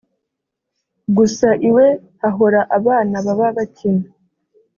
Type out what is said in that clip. Gusa iwe hahora abana baba bakina